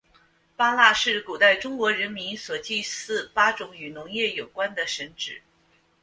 八蜡是古代中国人民所祭祀八种与农业有关的神只。